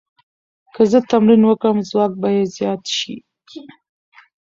که زه تمرین وکړم، ځواک به زیات شي.